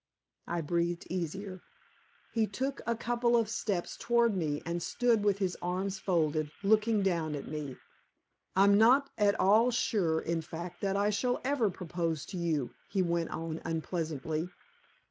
I breathed easier. He took a couple of steps toward me and stood with his arms folded, looking down at me. "I'm not at all sure, in fact, that I shall ever propose to you," he went on unpleasantly.